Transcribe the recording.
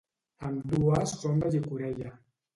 Ambdues són de llicorella.